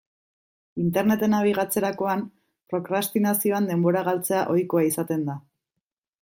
Interneten nabigatzerakoan, prokrastinazioan denbora galtzea ohikoa izaten da.